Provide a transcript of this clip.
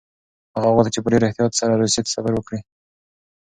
هغه غوښتل چې په ډېر احتیاط سره روسيې ته سفر وکړي.